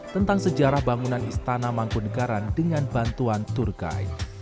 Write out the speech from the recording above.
tentang sejarah bangunan istana mangkunegaran dengan bantuan turkai